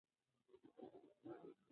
یخ د هغې جامې په بشپړه توګه کلکې کړې وې.